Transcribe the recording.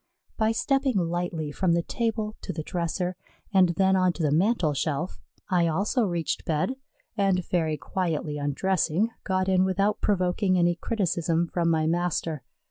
By stepping lightly from the table to the dresser, and then on to the mantel shelf, I also reached bed, and, very quietly undressing, got in without provoking any criticism from my master.